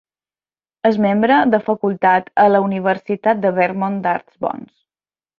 És membre de facultat a la Universitat de Vermont d'Arts Bons.